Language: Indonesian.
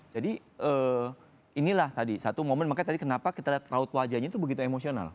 jadi inilah tadi satu momen makanya tadi kenapa kita lihat raut wajahnya itu begitu emosional